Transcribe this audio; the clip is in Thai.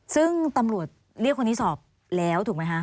ซึ่งตำรวจเรียกคนนี้สอบแล้วถูกไหมคะ